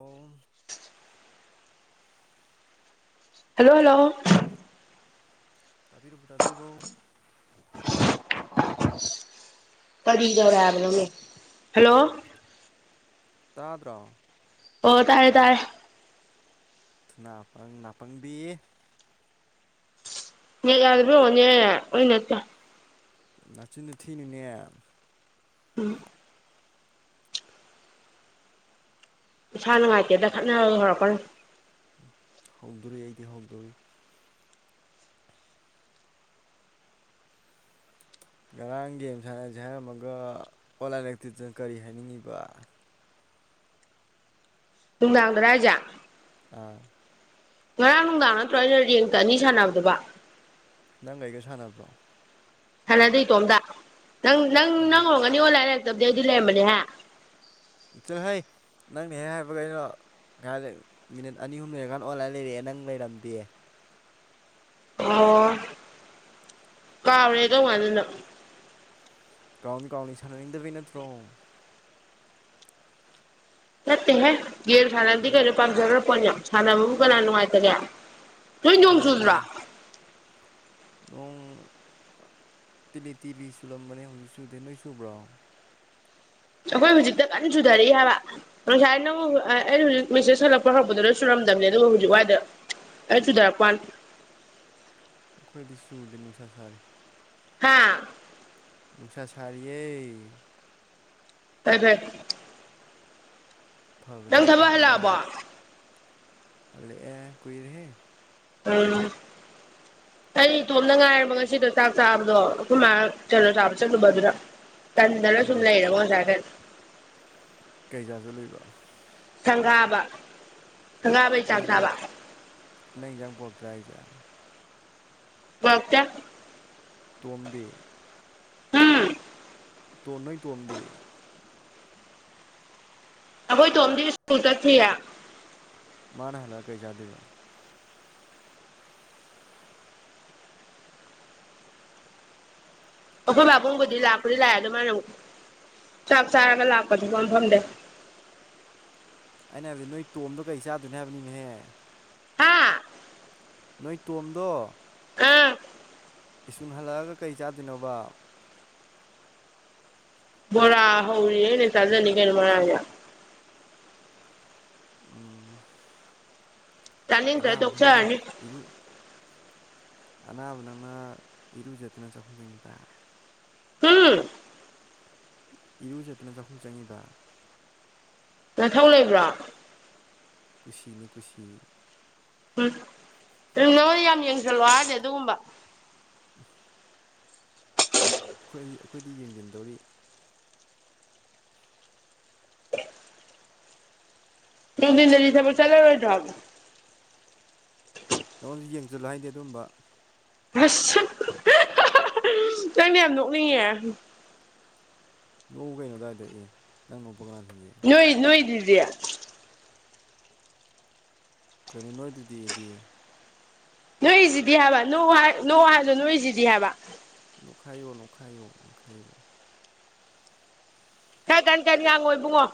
ꯑꯣ hello hello ꯇꯥꯕꯤꯔꯕꯣ ꯇꯥꯕꯤꯔꯕꯣ ꯀꯔꯤꯗꯧꯔꯦ ꯍꯥꯏꯅꯣꯃꯤ ꯍꯂꯣ ꯇꯥꯗ꯭ꯔꯣ ꯑꯣ ꯇꯔꯦ ꯇꯥꯔꯦ ꯊꯨꯅꯥꯄ ꯅꯥꯄꯪꯕꯤ ꯅꯦꯠ ꯌꯥꯗꯕꯩ ꯑꯣꯏꯔꯝꯅꯤꯌꯦ ꯑꯩ ꯅꯠꯇꯦ ꯅꯆꯤꯟꯗꯣ ꯊꯤꯅꯨꯅꯦ ꯎꯝ ꯏꯁꯥ ꯅꯨꯡꯉꯥꯏꯇꯦꯗ ꯈꯠꯅꯕꯒ ꯍꯧꯔꯛꯀꯅꯨ ꯍꯧꯗꯣꯔꯤ ꯑꯩꯗꯤ ꯍꯧꯗꯣꯔꯤ ꯉꯔꯥꯡ ꯒꯦꯝ ꯁꯥꯟꯅꯁꯦ ꯍꯥꯏꯔꯝꯃꯒ ꯑꯣꯟꯂꯥꯏꯟ ꯂꯩꯔꯛꯇꯤꯗꯨꯅ ꯀꯔꯤ ꯍꯥꯏꯅꯤꯡꯉꯤꯕ ꯅꯨꯡꯗꯥꯡꯗꯔ ꯍꯥꯏꯖꯦ ꯑꯥ ꯉꯔꯥꯡ ꯅꯨꯡꯗꯥꯡ ꯅꯠꯇ꯭ꯔꯣ ꯑꯩꯅ ꯔꯦꯡꯇ ꯑꯅꯤ ꯁꯥꯟꯅꯕꯗꯨꯕꯣ ꯅꯪꯒ ꯑꯩꯒ ꯁꯥꯟꯅꯕ꯭ꯔꯣ ꯁꯅꯗꯦ ꯏꯇꯣꯝꯇ ꯅꯪ ꯅꯪ ꯑꯗꯨꯅꯤ ꯅꯪ ꯑꯣꯏꯔꯝꯒꯅꯤ ꯑꯣꯜꯂꯥꯏꯟ ꯂꯩ ꯇꯕꯗꯤ ꯑꯩꯗꯤ ꯂꯩꯔꯝꯕꯅꯦꯍꯦ ꯆꯠꯂꯍꯩ ꯅꯪꯅ ꯍꯦꯛ ꯍꯥꯏꯕꯒ ꯂꯩꯅꯣ ꯥꯉꯩꯔ ꯂꯩꯕ ꯃꯤꯅꯠ ꯑꯅꯤ ꯑꯨꯝ ꯂꯩꯔꯀꯥꯟ ꯑꯣꯟꯂꯥꯏ ꯂꯩꯔꯛꯑꯦ ꯅꯪ ꯂꯩꯔꯝꯗꯦ ꯑꯣ ꯃꯥ ꯑꯅꯦ ꯑꯗꯨꯣ ꯉꯅꯤꯨ ꯀꯥꯎꯅꯤ ꯀꯥꯎꯅꯤ ꯁꯥꯟꯅꯅꯤꯡꯗꯕꯩ ꯅꯠꯇ꯭ꯔꯣ ꯅꯠꯇꯦꯍꯦ ꯒꯦꯔ ꯁꯥꯟꯅꯗꯤ ꯈꯪ ꯀꯩꯅꯣ ꯄꯥꯝꯖꯈ꯭ꯔ ꯄꯣꯠꯅ ꯁꯥꯟꯅꯕꯕꯨ ꯀꯅꯥ ꯅꯨꯡꯉꯥꯏꯇꯒꯦ ꯊꯣꯏ ꯌꯣꯡꯣꯡ ꯈꯪꯉꯦ ꯆꯗ꯭ꯔꯥ ꯈꯪꯉꯦ ꯅꯣꯡ ꯇꯤꯂꯤ ꯇꯤꯜꯂꯤ ꯆꯂꯝꯕꯅꯦ ꯍꯧꯖꯤꯛ ꯁꯨꯗꯦ ꯅꯣꯏ ꯁꯨꯕ꯭ꯔꯣ ꯑꯩꯈꯣꯏ ꯍꯧꯖꯤꯛꯇ ꯀꯟꯅ ꯆꯨꯊꯔꯛꯏ ꯍꯥꯏꯕ ꯉꯁꯥꯏ ꯅꯪ ꯑꯩꯩꯅ ꯍꯧꯖꯤꯛ ꯃꯦꯁꯦꯖ ꯍꯜꯂꯛꯄ ꯍꯧꯔꯛꯄꯗꯨꯗꯨꯔ ꯕ ꯑꯗꯨꯕꯨ ꯍꯧꯖꯤꯛ ꯋꯥꯏꯗ ꯑꯩ ꯆꯨꯊꯔꯛꯄꯅꯤ ꯑꯩꯈꯣꯏꯗꯤ ꯁꯨꯗꯦ ꯅꯨꯡꯁꯥ ꯁꯥꯔꯤ ꯍꯥꯥ ꯅꯨꯡꯁꯥ ꯁꯔꯤꯌꯦꯩ ꯐꯗ ꯅꯪ ꯐꯕꯅꯦ ꯊꯕꯍꯜꯂ ꯑꯕꯣ ꯍꯂꯦꯑꯦ ꯀꯨꯣꯏꯏꯔꯍꯦ ꯑ [inaudible] ꯑꯩ ꯏꯇꯣꯝꯗ ꯉꯥꯏꯔꯕ ꯉꯁꯤꯗꯣ ꯆꯥꯛ ꯆꯥꯕꯗꯣ ꯑꯩꯈꯣꯏ ꯃꯥ ꯀꯩꯅꯣ ꯆꯥꯕ ꯆꯠꯂꯨꯕꯗꯨꯅ ꯀꯟꯗꯂꯣ ꯆꯨꯝ ꯀꯔꯤ ꯂꯩ ꯌꯦꯔꯃꯣꯖꯒꯦ ꯄꯩꯖꯥꯁꯨ ꯂꯩꯣꯏꯕ ꯁꯪꯒꯥꯕ ꯁꯪꯒꯥꯕꯩ ꯆꯥꯆꯥꯕ ꯅꯪꯖꯥꯡ ꯄꯣꯛꯣꯛꯇ꯭ꯔꯥ ꯍꯖ ꯣꯛꯇ ꯇꯣꯝꯗꯦ ꯎꯝ ꯇꯣꯟ ꯅꯣꯏ ꯇꯣꯟꯝꯗꯦ ꯑꯩꯈꯣꯏ ꯇꯣꯝꯗꯤ ꯁ꯭ꯀꯨꯜ ꯆꯠꯁꯤꯌꯦ ꯃꯥꯅꯍꯂ ꯀꯩꯖꯥꯗꯕ ꯑꯣꯈꯣꯏ ꯕꯥꯕꯨꯡꯕꯨꯗꯤ ꯂꯥꯛ ꯀꯨꯗꯤ ꯂꯥꯏꯒ ꯃꯥꯅ ꯆꯥꯛ ꯆꯥꯔꯒ ꯂꯥꯛꯄꯗꯨ ꯄꯝꯐꯝꯗꯦ [unintelligible] ꯍꯥꯏꯕꯗꯤ ꯅꯣꯏ ꯇꯣꯝꯣ ꯀꯩ ꯆꯥꯗꯣꯏꯅ ꯍꯥꯏꯕꯅꯤꯅꯦꯍꯦ ꯍꯥꯥ ꯅꯣꯏ ꯇꯣꯝꯗꯣ ꯑꯥ ꯏꯁꯟ ꯍꯜꯂꯛꯑꯒ ꯀꯔꯤ ꯆꯥꯗꯣꯏꯅꯣꯕ ꯕꯣꯔ ꯍꯅꯦ ꯆꯥꯖꯅꯤꯒꯩꯅ ꯃꯔ ꯎꯝ ꯆꯥꯅꯤꯗ꯭ꯔ ꯑꯅꯥꯕ ꯅꯪꯅ ꯇꯣꯛꯆꯥꯔꯅꯤ ꯏꯔꯨ ꯑꯅꯥꯕ ꯅꯪꯅ ꯏꯔꯨꯖꯠꯇꯨꯅ ꯆꯥꯛꯈꯨꯝ ꯆꯪꯈꯤꯕ ꯄꯥꯏ ꯎꯝ ꯏꯔꯨꯖꯦꯠꯇꯅ ꯆꯥꯛꯈꯨꯝ ꯆꯪꯉꯤꯕ ꯅꯪꯊꯧ ꯂꯩꯕ꯭ꯔꯣ ꯀꯨꯁꯤꯅꯤ ꯀꯨꯁꯤ ꯎꯝ ꯅꯪꯉꯣꯟꯗꯤ ꯌꯥꯝ ꯌꯦꯡꯁꯜꯂꯣ ꯍꯥꯏꯗꯤꯗꯤ ꯑꯗꯨꯒꯨꯝꯕ ꯑꯩ ꯑꯩꯈꯣꯏꯗꯤ ꯌꯦꯡꯁꯤꯟꯗꯧꯔꯤ ꯇꯨꯡꯗꯤꯟꯗꯁꯦꯕꯨ ꯆꯂꯦ ꯑꯣꯏ ꯊꯕ ꯅꯉꯣꯟꯁꯨ ꯌꯦꯡꯁꯤꯜꯂꯨ ꯍꯥꯏꯗꯤꯦ ꯑꯗꯨꯝꯕ ꯑꯁ ꯅꯪꯅ ꯌꯥꯝ ꯅꯣꯛꯅꯤꯡꯉꯦ ꯅꯣꯡ ꯀꯩꯅꯣ ꯇꯗꯥꯏꯗ ꯑꯦ ꯅꯪꯅ ꯅꯣꯏꯣꯏ ꯅꯣꯏꯗꯗꯌꯥ ꯀꯩꯅꯣ ꯅꯣꯏꯗꯨꯗꯤꯗꯤ ꯅꯣꯏꯣꯏꯁꯤꯗꯤ ꯍꯕ ꯅꯣꯡ ꯍꯥꯏ ꯅꯣꯡ ꯍꯥꯏꯗꯨ ꯅꯣꯏꯁꯤꯗꯤ ꯍꯥꯏꯕ ꯅꯣꯛꯈꯥꯏꯌꫭ ꯅꯣꯛꯈꯥꯏꯌꫭ ꯅꯣꯛꯈꯥꯏꯌꫭ ꯈꯔ ꯀꯟ ꯀꯟ ꯉꯥꯡꯉꯣ ꯏꯕꯨꯡꯉꯣ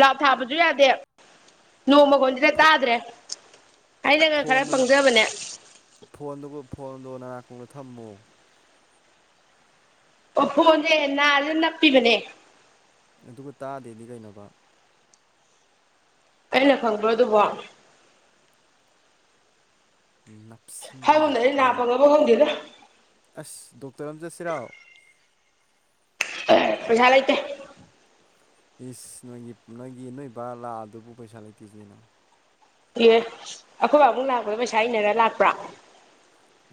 ꯂꯥꯎ꯭ꯠ ꯊꯥꯕꯖꯨ ꯌꯥꯗꯦ ꯅꯣꯡꯃꯈꫭꯟꯖꯤꯅ ꯇꯥꯗ꯭ꯔꯦ ꯑꯩꯅꯒ ꯈꯔ ꯐꯣꯟꯗꯨꯅ ꯄꯪꯖꯕꯅꯦ ꯐꯣꯟꯗꯨꯕꯨ ꯐꯣꯟꯗꫭ ꯅꯅꯥ ꯀꯣꯡꯗ ꯊꯝꯃꫭ ꯑꯣ ꯐꯣꯟꯖꯦ ꯅꯥꯖꯤꯗ ꯅꯞꯄꯤꯕꯅꯦ ꯑꯗꯨꯒ ꯇꯥꯗꯦꯗꯤ ꯀꯩꯅꯣꯕ ꯑꯩꯅ ꯈꯪꯕ꯭ꯔꯣ ꯑꯗꯨꯕꯣ ꯍꯪꯗꯅꯤ ꯅꯥ ꯅꯞꯁꯤꯟꯗꯅꯕꯀꯣ ꯄꯪꯉꯕ ꯈꯪꯗꯦꯗ ꯑꯁ ꯗꯣꯛꯇꯔ ꯑꯝ ꯆꯠꯁꯤꯔꫭ ꯑꯩ ꯄꯩꯁꯥ ꯂꯩꯇꯦ ꯏꯁ ꯅꫭꯏꯒꯤ ꯅꫭꯏꯒꯤ ꯅꯣꯏ ꯕꯥ ꯂꯥꯛ ꯑꯗꯨꯕꯨ ꯄꯩꯁꯥ ꯂꯩꯇꯦꯖꯤ ꯀꯩꯅꯣ ꯏ ꯑꯩꯈꯣꯏ ꯕꯥꯕꯨꯡ ꯂꯥꯛꯄꯗꯣ ꯄꯩꯁꯥ ꯏꯟꯅꯔ ꯂꯥꯛꯄ꯭ꯔꯥ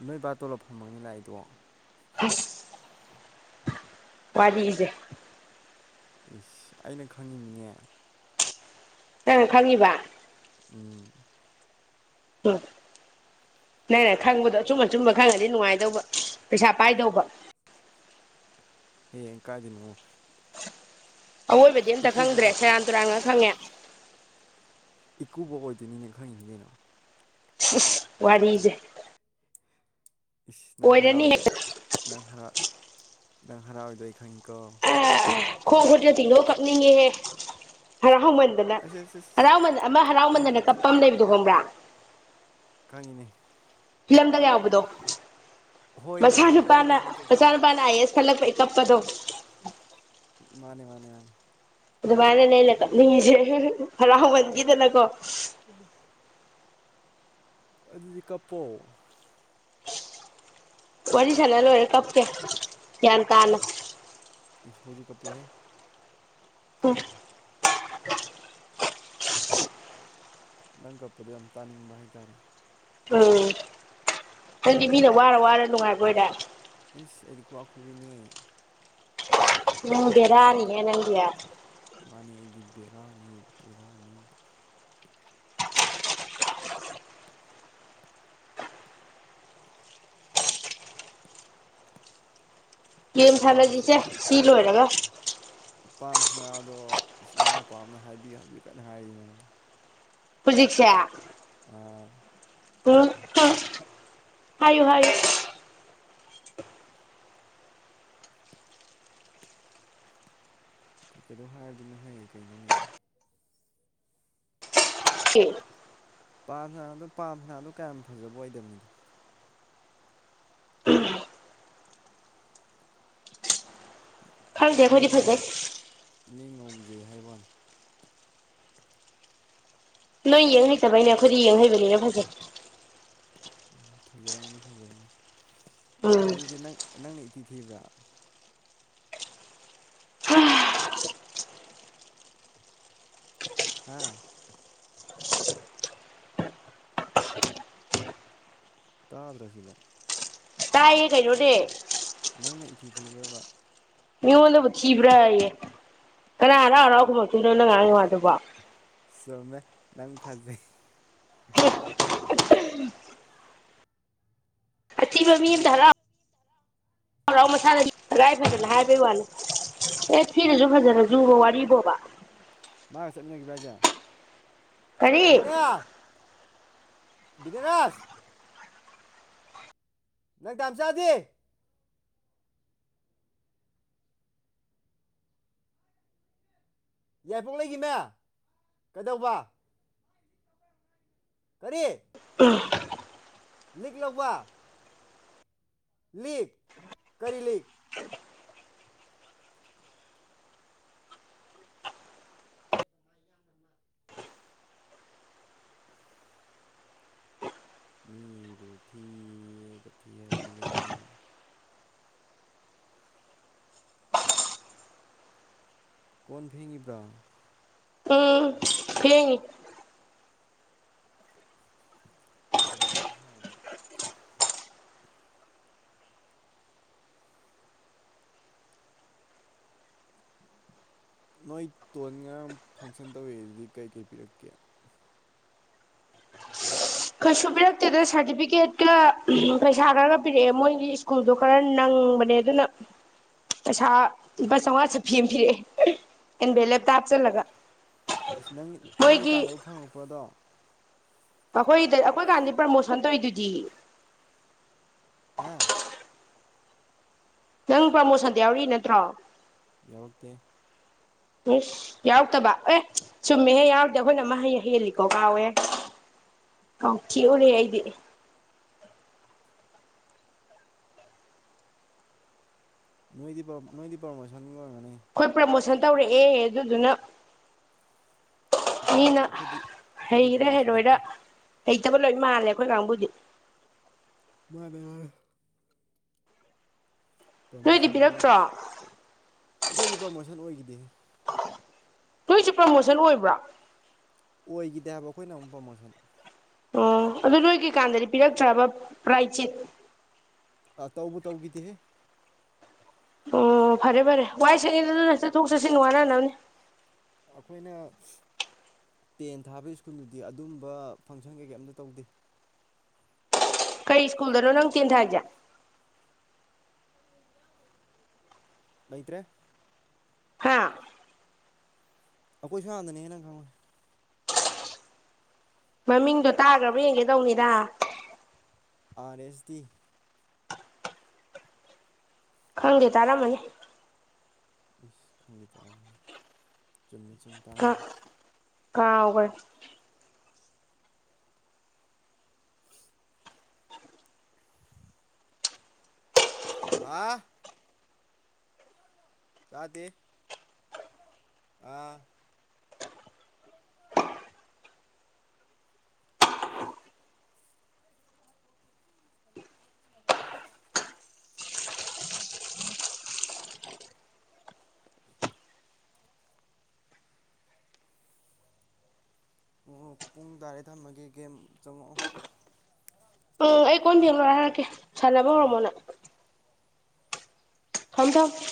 ꯅꯣꯏ ꯕꯥ ꯇꯣꯂꯣꯞ ꯐꯪꯕꯒꯅꯦ ꯂꯥꯛꯏꯗꯣ ꯑꯁ ꯋꯥꯔꯤꯖꯦ ꯏꯁ ꯑꯩꯅ ꯈꯪꯉꯤꯅꯤꯅꯦ ꯅꯪꯅ ꯈꯪꯉꯤꯕ ꯎꯝ ꯎꯝ ꯅꯪꯅ ꯈꯪꯕꯗꯣ ꯑꯆꯨꯝ ꯑꯆꯨꯝꯕ ꯈꯪꯉꯗꯤ ꯅꯨꯡꯉꯥꯏꯗꯧꯕ ꯄꯩꯁꯥ ꯄꯥꯏꯗꯧꯕ [inaudible] [unintelligible] ꯍꯌꯦꯡ ꯀꯥꯏꯗꯅꫭ ꯑꯋꯣꯏꯕꯗꯤ ꯑꯝꯇ ꯈꯪꯗ꯭ꯔꯦ ꯁꯦꯔꯥꯟ ꯇꯨꯔꯥꯟꯉꯥꯛ ꯈꯪꯉꯦ ꯏꯀꯨꯕꫭꯛ ꯑꯣꯏꯗꯣꯏꯅꯤꯅ ꯈꯪꯉꯤꯅꯤ ꯀꯩꯅꯣ ꯏꯁ ꯋꯥꯔꯤꯖꯦ ꯏꯁ ꯅꯪ ꯍꯔꯥꯎꯔꯤꯗꯨ ꯅꯪ ꯍꯔꯥꯎ ꯅꯪ ꯍꯔꯥꯎꯔꯤꯗꯨꯑꯩ ꯈꯪꯉꯤꯀꯣ ꯑꯦ ꯈꯣꯡ ꯈꯨꯠꯁꯦ ꯇꯤꯡꯊꫭꯛꯑ ꯀꯞꯅꯤꯡꯉꯤꯍꯦ ꯍꯌꯥꯝ ꯍꯔꯥꯎꯃꯟꯗꯅ ꯑꯁ ꯑꯁ ꯑꯁ ꯍꯔꯥꯎꯃꯟ ꯑꯃ ꯏꯃꯥꯏ ꯍꯔꯥꯎꯃꯟꯗꯅ ꯏꯃꯥꯏ ꯀꯞꯄ ꯑꯃ ꯂꯩꯕꯗꯨꯣ ꯈꯪꯕ꯭ꯔ ꯈꯪꯉꯤꯅꯦ ꯐꯤꯂꯝꯗꯒ ꯌꯥꯎꯕꯗꯣ ꯍꯣꯏꯅꯦ ꯃꯆꯥ ꯍꯣꯏꯅꯦ ꯅꯨꯨꯄꯥꯅ ꯑꯗꯨꯅꯦꯕ ꯅꯪ ꯃꯆꯥ ꯇꯧꯔꯤꯁꯦ ꯅꯨꯨꯄꯥꯅ ꯑꯥꯏ ꯑꯦꯁ ꯈꯜꯂꯛꯄꯩ ꯀꯞꯄꯗꯣ ꯃꯥꯅꯦ ꯃꯥꯅꯦ ꯃꯥꯅꯦ ꯑꯗꯨꯃꯥꯏꯅꯅꯦ ꯑꯩꯅ ꯀꯞꯅꯤꯡꯉꯤꯖꯦ ꯍꯔꯥꯎꯃꯟꯒꯤꯗꯅꯀꯣ ꯑꯗꯨꯗꯤ ꯀꯞꯄꯣ ꯋꯥꯔꯤ ꯁꯥꯟꯅ ꯂꫭꯏꯔ ꯀꯞ ꯀꯦ ꯌꯥꯟ ꯇꯥꯅ ꯏꯁ ꯍꯧꯖꯤꯛ ꯀꯞꯄꯨꯍꯦ ꯎꯝ [unintelligible] ꯅꯪ ꯀꯞꯄꯗꯣ ꯌꯥꯝ ꯇꯥꯅꯤꯡꯕ ꯍꯥꯏꯇꯥꯔꯦ ꯎꯝ ꯅꯪꯗꯤ ꯃꯤꯅ ꯋꯥꯔ ꯋꯥꯔ ꯅꯨꯡꯉꯥꯏꯕ ꯑꫭꯏꯔꯦ ꯏꯁ ꯑꯩꯗꯤ ꯈꯨꯕꯥꯛ ꯈꯨꯕꯤꯅꯦ ꯅꯪ ꯕꯦꯔꯥꯅꯤꯍꯦ ꯅꯪꯗꯤ ꯃꯥꯅꯤ ꯑꯩꯗꯤ ꯕꯦꯔꯥꯅꯤ ꯕꯦꯔꯥꯅꯤ ꯒꯦꯝ ꯄꯥꯝꯁ ꯁꯥꯟꯅꯖꯤꯁꯦ ꯁꯤ ꯂꯣꯏꯔꯒ ꯄꯥꯝꯁꯅꯥꯗꯣ ꯏꯁ ꯏꯅꯥꯎꯄꯥ ꯑꯃꯅ ꯍꯥꯏꯕꯤꯌꯨ ꯍꯥꯏꯕꯤꯌꯨ ꯀꯟꯅ ꯍꯥꯏꯌꯤꯅꯦ ꯍꯧꯖꯤꯛꯁꯦ ꯑꯥ ꯍ ꯍꯥꯏꯌꯨ ꯍꯥꯏꯌꯨ ꯑꯩꯈꯣꯏ ꯀꯩꯗꯧ ꯍꯥꯏꯔꯨꯗꫭꯏꯅꯣ ꯍꯦ ꯀꯩꯅꯣꯅꯦ ꯈꯦ ꯄꯥꯝꯁꯅꯥꯗꫭ ꯄꯥꯝꯁꯅꯥꯗ ꫭꯀꯌꯥꯝ ꯐꯖꯕ ꯑꯣꯏꯗꯕꯅꯤꯗ ꯎꯝ ꯐꯪꯗꯦ ꯈꯣꯏꯗꯤ ꯃꯤ ꯐꯪꯖꯦ ꯉꯧ ꯃꯤ ꯉꯧꯖꯩ ꯍꯥꯏꯕꯥꯅꯤ ꯅꯣꯏ ꯌꯦꯡ ꯍꯩꯇꯕꯩꯅꯦ ꯑꯩꯈꯣꯏꯗꯤ ꯌꯦꯡꯍꯩꯕꯅꯤꯅ ꯐꯖꯩ ꯎꯝ ꯐꯖꯔꯝꯒꯅꯤ ꯐꯖꯔꯅꯤ ꯎꯝ ꯑꯗꯨꯗꯤ ꯅꯪ ꯅꯪꯅ ꯇꯤꯊꯤꯕ꯭ꯔꯥ ꯍꯥꯥ ꯇꯥꯗ꯭ꯔꯁꯤꯕꯣ ꯇꯏꯌꯦ ꯀꯥꯏꯅꯣ ꯗꯦ ꯅꯪꯅ ꯏꯊꯤ ꯊꯤꯈ꯭ꯔꯕ ꯃꯤꯉꯣꯟꯗꯕꯨ ꯊꯤꯕ꯭ꯔꯥ ꯀꯅꯥ ꯍꯔꯥꯎ ꯍꯔꯥꯎꯒꯨꯝꯕꯛꯇꯣꯏꯅꯣ ꯅꯪ ꯉꯥꯏꯥꯡꯉ ꯋꯥꯗꯕꯣ ꯁꯣꯝꯃꯦ ꯅꯪ ꯐꯖꯩ ꯑꯕꯃꯤꯙꯔ ꯍꯔꯥꯎ ꯃꯁꯥꯗꯥꯏ ꯐꯗꯅ ꯍꯥꯏꯕꯩ ꯋꯥꯅꯤ ꯑꯦ ꯐꯤꯅꯁꯨ ꯐꯖꯅ ꯖꯨꯕ ꯋꯥꯔꯤꯕꯣꯕ ꯃꯥꯒꯥ ꯆꯠꯃꯤꯟꯅ ꯒꯤꯕꯔꯣ ꯍꯥꯏꯖ ꯀꯔꯤ ꯕꯤꯗꯔꯥꯁ ꯅꯪ ꯇꯝꯆꯥꯗꯤ ꯌꯥꯏꯄꯣꯛ ꯂꯩꯒꯤꯅꯦ ꯀꯩꯗꯧꯕ ꯀꯔꯤ ꯎꯝ ꯂꯤꯛ ꯂꯧꯕꯥ ꯂꯤꯛ ꯀꯔꯤ ꯂꯤꯛ ꯃꯤ ꯕꯊꯤ ꯀꯊꯤ ꯍꯥꯏ ꯃꯤꯒꯤꯅꯥꯅꯤ ꯀꯣꯟ ꯐꯦꯡꯉꯤꯕ꯭ꯔꯥ ꯎꯝ ꯌꯦꯉ ꯇꯟꯗꯕ ꯁꯥꯗꯅ ꯅꯣꯏ ꯇꯣꯟ ꯉꯥꯡ ꯐꯪꯁꯟ ꯇꯧꯋ ꯑꯗꯨꯗꯤ ꯀꯩꯀꯩ ꯄꯤꯔꯛꯀꯦ ꯀꯩꯁꯨ ꯄꯤꯔꯛꯇꯦꯗ ꯁꯥꯔꯇꯤꯐꯤꯀꯦꯠꯀ ꯄꯩꯁꯥ ꯈꯔꯒ ꯄꯤꯔꯛꯑꯦ ꯃꯣꯏꯒꯤ ꯁ꯭ꯀꯨꯜꯗꯣ ꯈꯔ ꯅꯪ ꯎꯝꯕꯅꯦ ꯑꯗꯨꯅ ꯄꯩꯁꯥ ꯂꯨꯄꯥ ꯆꯥꯃꯉꯥꯁꯨ ꯐꯤ ꯑꯃ ꯄꯤꯔꯛꯑꯦ ꯑꯦꯟꯚꯦ ꯂꯦꯞꯇꯇꯥꯞ ꯆꯠꯂꯒ ꯅꯪ ꯅꯪꯒꯤ ꯀꯥꯟꯅꯕ ꯐꯪꯉꯛꯄ꯭ꯔꯗꯣ ꯑꯩꯈꯣꯏꯗ ꯑꯩꯈꯣꯏ ꯀꯥꯟꯗꯤ ꯄ꯭ꯔꯃꯣꯁꯟ ꯇꯧꯗꯨꯣꯏꯗꯤ ꯍꯥꯦ ꯅꯪ ꯄꯥꯃꯣꯁꯟꯗ ꯌꯥꯎꯔꯤ ꯅꯠꯇ꯭ꯔꯣ ꯌꯥꯔꯛꯛꯇ ꯎꯝ ꯌꯥꯎꯛꯇꯕ ꯑꯦ ꯆꯨꯝꯃꯦꯍꯦ ꯌꯥꯎꯔꯗꯦ ꯑꯩꯈꯣꯏꯅ ꯃꯍ ꯍꯩ ꯍꯦꯜꯂꯤꯀꯣ ꯀꯥꯎꯋꯦ ꯑꯣ ꯀꯦꯎꯂꯤꯗꯤꯦ ꯅꯣꯏꯗꯤ ꯄꯔ ꯄꯥꯔꯃꯣꯁꯟ ꯒꯥ ꯑꯣꯏꯔꯝꯒꯅꯤ ꯑꯩꯈꯣꯏ ꯄ꯭ꯔꯃꯣꯁꯟ ꯇꯧꯔꯛꯑꯦ ꯑꯗꯨꯗꯨꯅ ꯑꯩꯈꯣꯏꯗꯤ ꯑꯅꯤꯅ ꯑꯩꯈꯣꯏꯗꯤ ꯑꯩꯈꯣꯏꯗꯤ ꯍꯩꯔ ꯄ꯭ꯔꯃꯣꯁꯟ ꯍꯩꯔꯣꯏꯔ ꯅꯠꯇꯦ ꯍꯩꯇꯕ ꯂꯣꯏ ꯃꯥꯜꯂꯦ ꯑꯩꯈꯣꯏ ꯀꯥꯡꯕꯨꯗꯤ ꯃꯥꯅꯦ ꯃꯅꯦ ꯅꯣꯏꯗꯤ ꯄ꯭ꯔꯃꯣꯁꯟꯗ ꯄꯤꯔꯛꯇ꯭ꯔꯣ ꯑꯩꯈꯣꯏꯗꯤ ꯄ꯭ꯔꯃꯣꯁꯟ ꯑꯣꯏꯈꯤꯗꯦ ꯅꯣꯏꯁꯨ ꯄ꯭ꯔꯃꯣꯁꯟ ꯑꯣꯏꯕ꯭ꯔꯥ ꯑꯣꯏꯈꯤꯗꯦ ꯍꯥꯏꯕ ꯑꯩꯈꯣꯏꯅ ꯑꯃꯨꯛ ꯄ꯭ꯔꯃꯣꯁꯟ ꯑꯣ ꯑꯗꯨ ꯅꯣꯏꯒꯤꯀꯥꯟꯗꯗꯤ ꯄꯤꯔꯛꯇ꯭ꯔꯕ ꯔꯥꯏꯆꯠ ꯑ ꯇꯧꯕꯨ ꯇꯧꯈꯤꯗꯦꯍꯦ ꯑꯣ ꯐꯔꯦ ꯐꯔꯦ ꯋꯥꯏ ꯁꯡꯒꯦ ꯑꯗꯨꯅ ꯆꯠꯊꯣꯛ ꯆꯠꯁꯤꯟ ꯋꯥꯅꯅꯕꯅꯦ ꯑꯩꯈꯣꯏꯅ ꯇꯦꯟ ꯊꯥꯕꯒꯤ ꯁ꯭ꯀꯨꯜꯗꯨꯗꯤ ꯑꯗꯨꯝꯕ ꯐꯪꯁꯟ ꯀꯩꯀꯩ ꯑꯝꯇ ꯇꯧꯗꯦ ꯀꯩ ꯁ꯭ꯀꯨꯜꯗꯅꯣ ꯅꯪ ꯇꯦꯟ ꯊꯥꯏꯖꯦ ꯂꯩꯇ꯭ꯔꯦ ꯍꯥꯥ ꯑꯩꯈꯣꯏ ꯁꯣꯝ ꯅꯥꯀꯟꯗꯅꯦ ꯍꯦ ꯅꯪ ꯈꯪꯉꯣꯏ ꯃꯃꯤꯡꯗꯣ ꯇꯥꯈ꯭ꯔꯕ ꯌꯦꯡꯒꯦ ꯇꯧꯅꯤꯗ ꯑꯥꯔ ꯑꯦꯁ ꯗꯤ ꯍꯈꯪꯗꯦ ꯇꯔꯝꯃꯅꯤ ꯏꯁ ꯈꯪꯗꯦ ꯇꯥꯔꯝꯅꯤ ꯆꯨꯝꯃꯤ ꯆꯨꯝ ꯇꯥꯔꯝꯃꯥꯅꯤ ꯀꯥꯎꯒꯔꯦ ꯍꯥ ꯇꯥꯗꯦ ꯑꯥ ꯑ ꯄꯨꯡ ꯇꯔꯦ ꯊꯝꯃꯒꯤ ꯒꯦꯝ ꯆꯪꯉꯛꯑꯣ ꯎꯝ ꯑꯩ ꯀꯣꯟ ꯐꯦꯡ ꯂꯣꯏꯔꯒ ꯍꯥꯏꯔꯛꯀꯦ ꯁꯥꯟꯅꯕ ꯍꯣꯏ ꯍꯣꯏ ꯍꯧꯔꯝꯃꯣ ꯅꯣꯏ ꯍꯪꯖ